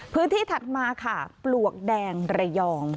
พื้นที่ถัดมาค่ะปลวกแดงระยอง